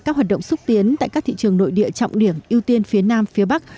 các hoạt động xúc tiến tại các thị trường nội địa trọng điểm ưu tiên phía nam phía bắc